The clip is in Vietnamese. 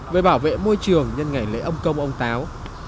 về bảo vệ môi trường nhân ngày lễ ông công ông táo